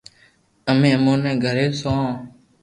تمي اموني گھري سوھو